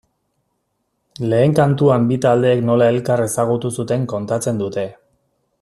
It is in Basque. Lehen kantuan bi taldeek nola elkar ezagutu zuten kontatzen dute.